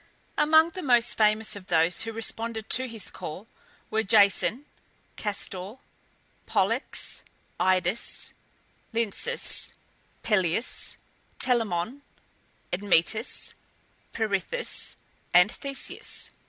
Among the most famous of those who responded to his call were Jason, Castor and Pollux, Idas and Lynceus, Peleus, Telamon, Admetus, Perithous, and Theseus.